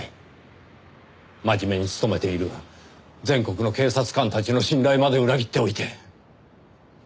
真面目に勤めている全国の警察官たちの信頼まで裏切っておいて。